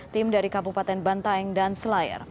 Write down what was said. tim dari kabupaten bantaeng dan selayar